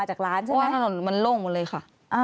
เพราะว่าถนนมันโล่งหมดเลยค่ะ